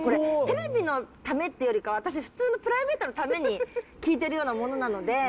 テレビのためっていうよりか、私、普通のプライベートのために聞いてるようなものなので。